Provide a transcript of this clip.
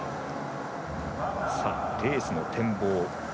レースの展望。